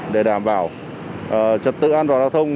để đảm bảo trật tự an toàn giao thông